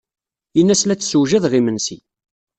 Ini-as la d-ssewjadeɣ imensi.